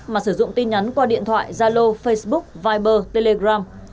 mà sử dụng tin nhắn qua điện thoại gia lô facebook viber telegram